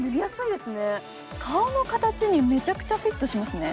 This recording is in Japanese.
顔の形にめちゃくちゃフィットしますね。